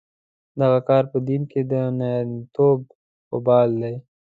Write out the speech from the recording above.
دغه کار په دین کې د نارینتوب وبال دی.